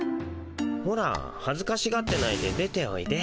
ほらはずかしがってないで出ておいで。